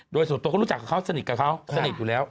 โดยส่วนตัวเขารู้จักกับเขาสนิทกับเขาสนิทอยู่แล้ว